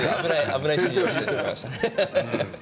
危ない指示をしてしまいました。